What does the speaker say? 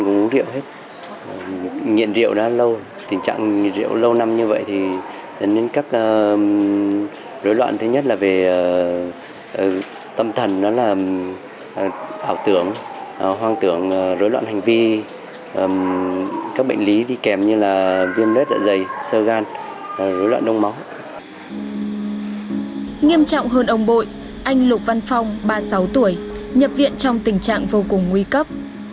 nghiêm trọng hơn ông bội anh lục văn phong ba mươi sáu tuổi nhập viện trong tình trạng vô cùng nguy cấp